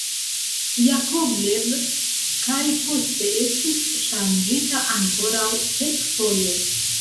Jakovlev kaj poste estis ŝanĝita ankoraŭ kelkfoje.